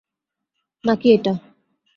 না কি এটা!